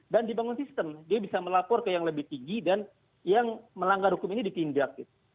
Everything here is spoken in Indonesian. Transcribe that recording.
dan dibangun sistem dia bisa melapor ke yang lebih tinggi dan yang melanggar hukum ini dipindahkan